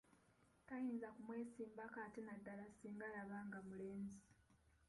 Tayinza kumwesimbako ate naddala ssinga yabanga mulenzi.